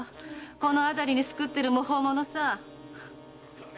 この辺りに巣くってる無法者さ。